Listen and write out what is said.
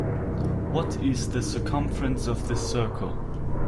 What is the circumference of this circle?